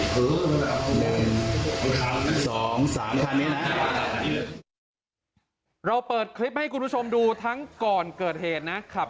สองสามคันนี้นะเราเปิดคลิปให้คุณผู้ชมดูทั้งก่อนเกิดเหตุนะขับ